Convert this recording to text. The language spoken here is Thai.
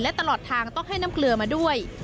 และตลอดทางต้องให้น้ำเกลือมาด้วย